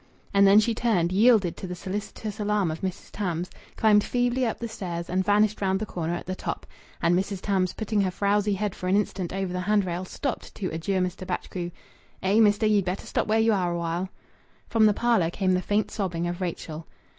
And then she turned, yielded to the solicitous alarm of Mrs. Tams, climbed feebly up the stairs, and vanished round the corner at the top. And Mrs. Tams, putting her frowsy head for an instant over the hand rail, stopped to adjure Mr. Batchgrew "Eh, mester; ye'd better stop where ye are awhile." From the parlour came the faint sobbing of Rachel.